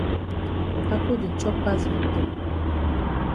Ako di chop pass Victor.